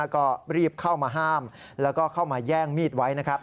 ก็รีบเข้ามาห้ามแล้วก็เข้ามาแย่งมีดไว้นะครับ